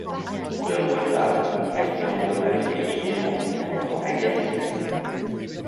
Ce retable a été endommagé et démembré pendant la guerre civile.